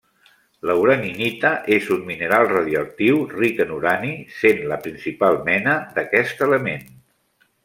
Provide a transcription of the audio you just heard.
La uraninita és un mineral radioactiu ric en urani, sent la principal mena d'aquest element.